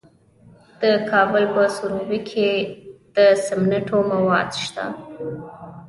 د کابل په سروبي کې د سمنټو مواد شته.